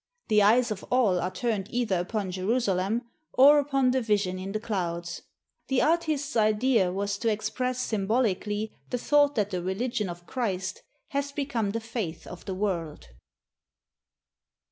The eyes of all are turned either upon Jerusalem or upon the vision in the clouds. The artist's idea was to express symbolically the thought that the religion of Christ has become the faith of the world.